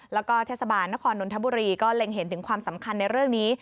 แล้วก็เทศบาลนครนนทบุรีก็เล็งเห็นถึงความสำคัญในเรื่องนี้